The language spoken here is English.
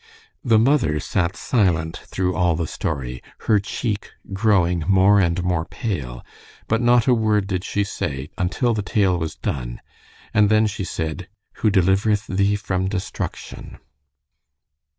The mother sat silent through all the story, her cheek growing more and more pale, but not a word did she say until the tale was done, and then she said, "'Who delivereth thee from destruction.'"